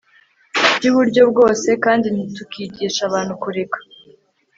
byuburyo bwose kandi tukigisha abantu kureka